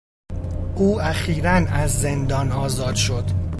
او اخیرا از زندان آزاد شد.